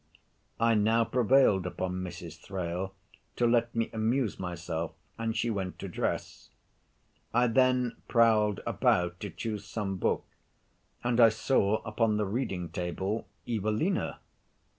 I now prevailed upon Mrs. Thrale to let me amuse myself, and she went to dress. I then prowled about to choose some book, and I saw upon the reading table 'Evelina.'